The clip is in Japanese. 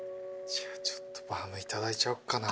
じゃあちょっとバウムいただいちゃおうかな。